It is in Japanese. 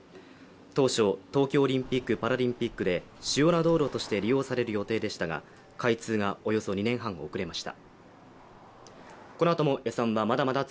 当初、東京オリンピック・パラリンピックで主要な道路として利用される予定でしたが開通がおよそ２年半、遅れました。